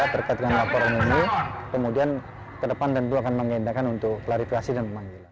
terkait dengan laporan ini kemudian ke depan tentu akan mengindahkan untuk klarifikasi dan memanggilan